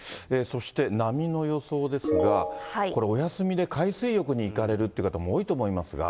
そして波の予想ですが、これ、お休みで海水浴に行かれるという方も多いと思いますが。